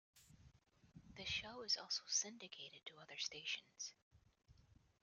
The show is also syndicated to other stations.